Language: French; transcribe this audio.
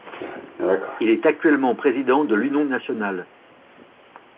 Il est actuellement président de l'Union nationale.